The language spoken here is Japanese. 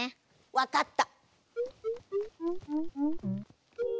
わかった。